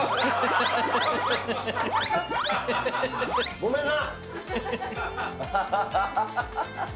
ごめんな。